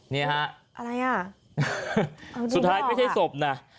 นี่ฮะอะไรอ่ะสุดท้ายไม่ใช่ศพนะ